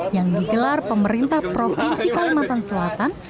yang digelar pemerintah provinsi kalimantan selatan